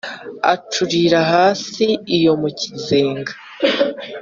Acurira hasi iyo mu kizenga!